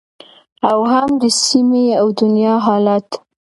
او هم د سیمې او دنیا حالت